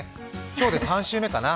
今日で３週目かな。